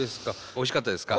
おいしかったですか？